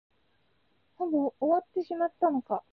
もうほぼ終わってしまったのか。